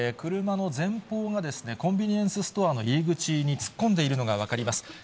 車の前方がコンビニエンスストアの入り口に突っ込んでいるのが分かります。